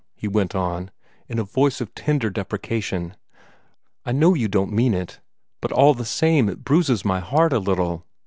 he went on, in a voice of tender deprecation. "I know you don't mean it, but all the same it bruises my heart a little.